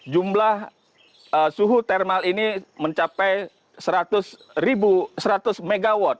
jumlah suhu thermal ini mencapai seratus mw